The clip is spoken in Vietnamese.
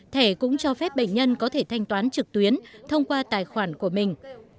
thẻ cũng cho phép bệnh nhân có thể thanh toán trực tuyến thông qua tài khoản của mình